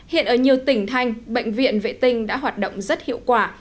hiện ở nhiều tỉnh thành bệnh viện vệ tinh đã hoạt động rất hiệu quả